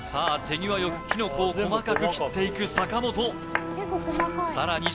手際よくきのこを細かく切っていく坂本さらに